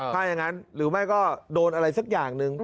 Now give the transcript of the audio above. ถ้าอย่างนั้นหรือไม่ก็โดนอะไรสักอย่างหนึ่ง